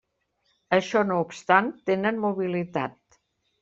Això no obstant, tenen mobilitat.